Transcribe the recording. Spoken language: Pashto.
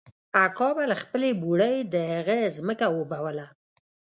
اکا به له خپلې بوړۍ د هغه ځمکه اوبوله.